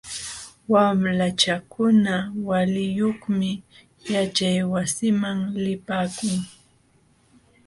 Wamlachakuna waliyuqmi yaćhaywasiman lipaakun.